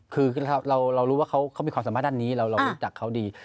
คือเรารู้ว่าเขามีความสามารถด้านนี้เรารู้จักเขาดี